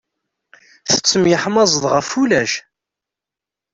Tettemyeḥmaẓeḍ ɣef ulac.